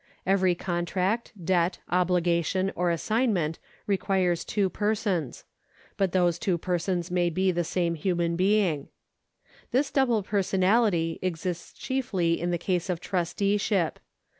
Every contract, debt, obligation, or assignment requires two persons ; but those two persons may be the same human being. This double personality exists chiefly in the case of trusteeship.